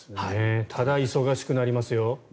ただ、忙しくなりますよ。